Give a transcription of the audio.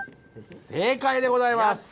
正解でございます！